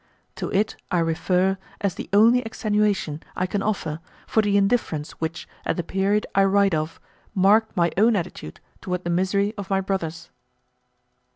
To it I refer as the only extenuation I can offer for the indifference which, at the period I write of, marked my own attitude toward the misery of my brothers.